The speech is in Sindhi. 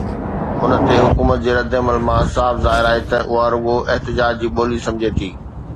ان تي حڪومت جي ردعمل مان صاف ظاهر آهي ته اها رڳو احتجاج جي ٻولي سمجهي ٿي.